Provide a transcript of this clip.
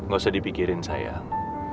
gak usah dipikirin sayang